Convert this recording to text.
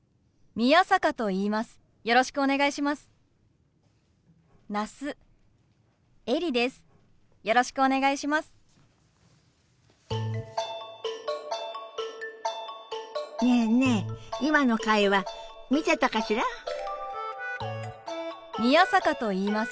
宮坂と言います。